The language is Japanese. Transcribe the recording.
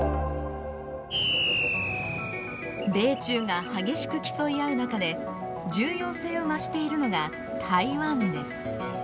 米中が激しく競い合う中で重要性を増しているのが台湾です。